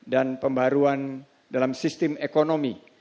dan pembaruan dalam sistem ekonomi